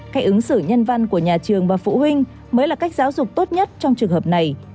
cách ứng xử nhân văn của nhà trường và phụ huynh mới là cách giáo dục tốt nhất trong trường hợp này